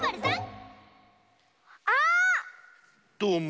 どうも。